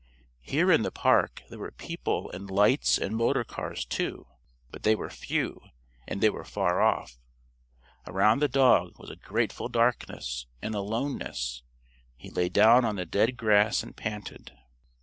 Here in the Park there were people and lights and motor cars, too, but they were few, and they were far off. Around the dog was a grateful darkness and aloneness. He lay down on the dead grass and panted.